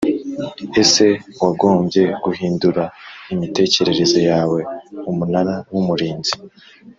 Ese wagombye guhindura imitekerereze yawe umunara w umurinzi